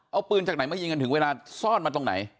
เอาปืนจากไหนมายิงกันถึงเวลาซ่อนมาตรงไหน